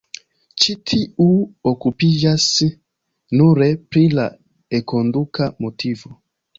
Ĉi tiu okupiĝas nure pri la enkonduka motivo.